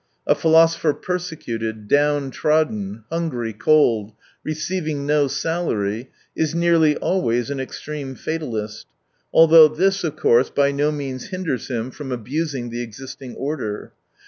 A philosopher persecuted, downtrodden, hungry, cold, receiving no salary, is nearly always an extreme fatalist — although this, of course, by no means hinders him from abusing the existing order.